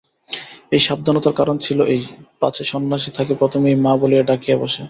এই সাবধানতার কারণ ছিল এই, পাছে সন্ন্যাসী তাকে প্রথমেই মা বলিয়া ডাকিয়া বসে।